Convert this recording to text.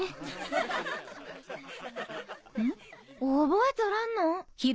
覚えとらんの？